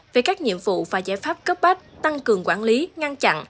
về các nhiệm vụ và giải pháp cấp bách tăng cường quản lý ngăn chặn